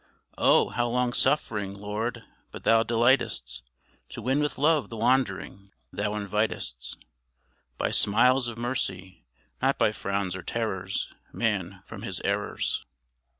Oh, how long suffering, Lord! but Thou delightest To win with love the wandering; Thou invitest By smiles of mercy, not by frowns or terrors, Man from his errors.